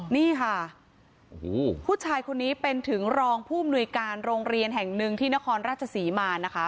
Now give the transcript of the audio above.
นี่ค่ะผู้ชายคนนี้เป็นถึงรองผู้มนุยการโรงเรียนแห่งหนึ่งที่นครราชศรีมานะคะ